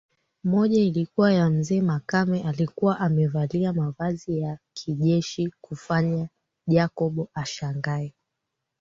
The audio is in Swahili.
Moja ilikuwa ya mzee makame alikuwa amevalia mavazi ya kijeshi kufanya Jacob ashangae